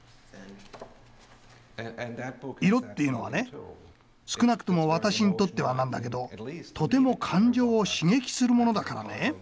色っていうのはね少なくとも私にとってはなんだけどとても感情を刺激するものだからね。